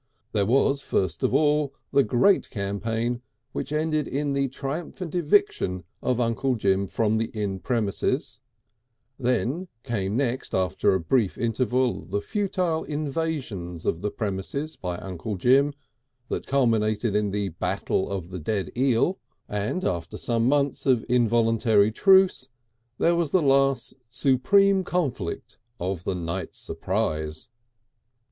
There was first of all the great campaign which ended in the triumphant eviction of Uncle Jim from the inn premises, there came next after a brief interval the futile invasions of the premises by Uncle Jim that culminated in the Battle of the Dead Eel, and after some months of involuntary truce there was the last supreme conflict of the Night Surprise.